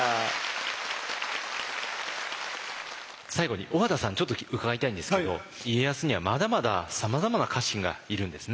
最後に小和田さんちょっと伺いたいんですけど家康にはまだまださまざまな家臣がいるんですね。